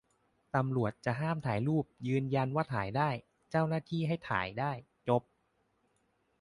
ตำรวจจะห้ามถ่ายรูป ยืนยันว่าถ่ายได้ เจ้าหน้าที่ให้ถ่ายได้ จบ